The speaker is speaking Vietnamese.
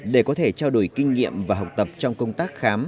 để có thể trao đổi kinh nghiệm và học tập trong công tác khám